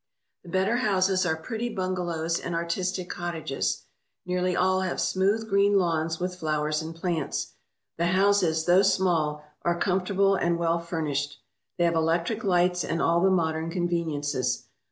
The better houses are pretty bungalows and artistic cottages. Nearly all have smooth green lawns with flowers and plants. The houses, though small, are com fortable and well furnished. They have electric lights and all the modern conveniences.